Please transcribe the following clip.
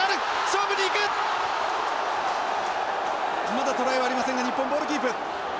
まだトライはありませんが日本ボールキープ。